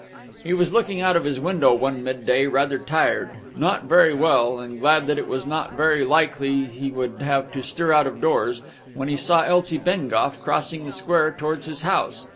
He was looking out of his window one midday rather tired, not very well, and glad that it was not very likely he would have to stir out of doors, when he saw Elsie Bengough crossing the square towards his house.